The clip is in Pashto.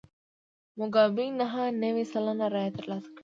موګابي نهه نوي سلنه رایې ترلاسه کړې.